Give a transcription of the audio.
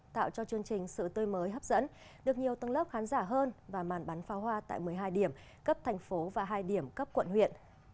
tạo cho chương trình sự tươi mới hấp dẫn được nhiều tầng lớp khán giả hơn và màn bắn pháo hoa tại một mươi hai điểm cấp thành phố và hai điểm cấp quận huyện